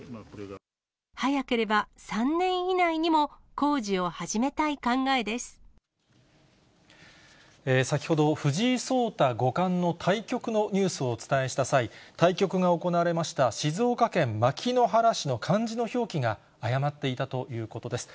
早ければ３年以内にも、先ほど、藤井聡太五冠の対局のニュースをお伝えした際、対局が行われました静岡県牧之原市の漢字の表記が誤っていたということです。